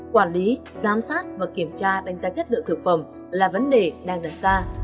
quản lý giám sát và kiểm tra đánh giá chất lượng thực phẩm là vấn đề đang đần xa